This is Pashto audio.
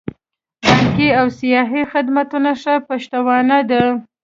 بانکي او سیاحتي خدمتونه ښه پشتوانه ده.